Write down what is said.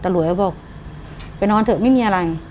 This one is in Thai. หลวยก็บอกไปนอนเถอะไม่มีอะไร